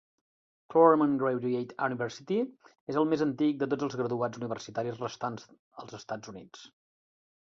Claremont Graduate University és el més antic de tots els graduats universitaris restants als Estats Units.